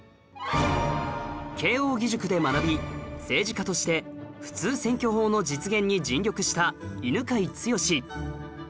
慶應義塾で学び政治家として普通選挙法の実現に尽力した犬養毅